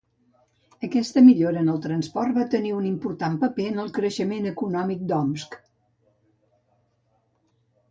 Aquesta millora en el transport va tenir un important paper en el creixement econòmic d'Omsk.